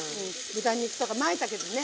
豚肉とかまいたけにね。